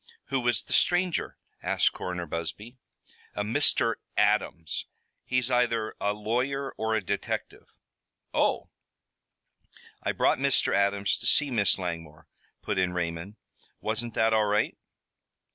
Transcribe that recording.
"Who was the stranger?" asked Coroner Busby. "A Mr. Adams. He's either a lawyer or a detective." "Oh!" "I brought Mr. Adams to see Miss Langmore," put in Raymond. "Wasn't that all right?"